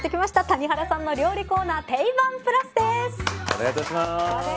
谷原さんの料理コーナーテイバンプラスです。